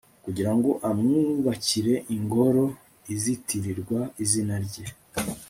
kugira ngo amwubakire ingoro izitirirwa izina rye